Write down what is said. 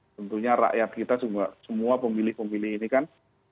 tentunya rakyat kita semua pemilih pemilih ini kan